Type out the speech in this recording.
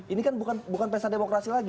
ini kan bukan pesta demokrasi lagi